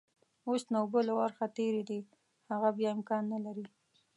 اوس نو اوبه له ورخ تېرې دي، هغه بيا امکان نلري.